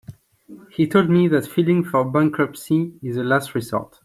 He told me that filing for bankruptcy is the last resort.